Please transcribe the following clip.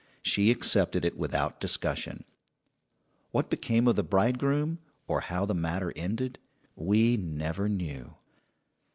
She accepted it without discussion. What became of the bridegroom, or how the matter ended, we never knew.